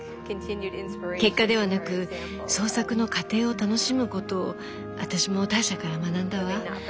結果ではなく創作の過程を楽しむことを私もターシャから学んだわ。